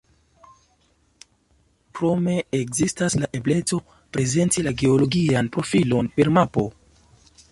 Krome ekzistas la ebleco prezenti la geologian profilon per mapo.